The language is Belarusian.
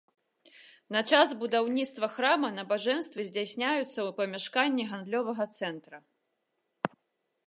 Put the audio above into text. На час будаўніцтва храма набажэнствы здзяйсняюцца ў памяшканні гандлёвага цэнтра.